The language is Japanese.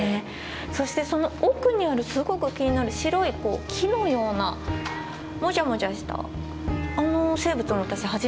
そしてその奥にあるすごく気になる白い木のようなモジャモジャしたあの生物も私初めて見たんですけど何ですか？